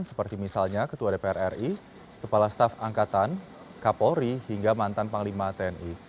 seperti misalnya ketua dpr ri kepala staf angkatan kapolri hingga mantan panglima tni